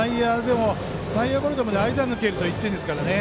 内野ゴロでも間を抜けると１点ですからね。